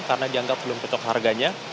karena dianggap belum cocok harganya